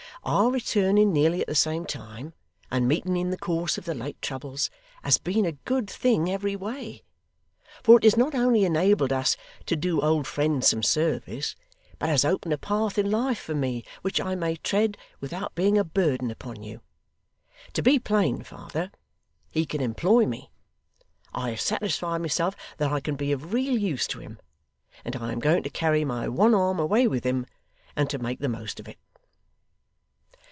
Our returning nearly at the same time, and meeting in the course of the late troubles, has been a good thing every way; for it has not only enabled us to do old friends some service, but has opened a path in life for me which I may tread without being a burden upon you. To be plain, father, he can employ me; I have satisfied myself that I can be of real use to him; and I am going to carry my one arm away with him, and to make the most of it.